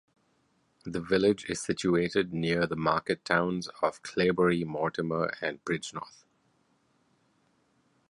The village is situated near the market towns of Cleobury Mortimer and Bridgnorth.